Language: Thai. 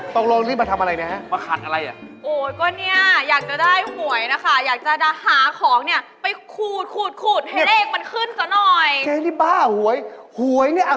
ต้องไปดูใครเล่นมานี่ฮะ